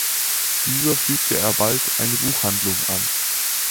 Dieser fügte er bald eine Buchhandlung an.